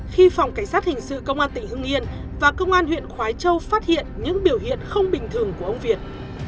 khi phòng cảnh sát hình sự công an tỉnh hưng yên và công an huyện khói châu phát hiện những biểu hiện không bình thường của ông việt